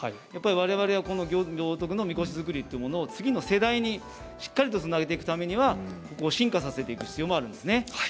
われわれは行徳のみこし作りを次の世代にしっかりつなげていくためには進化させていく必要もあるんです。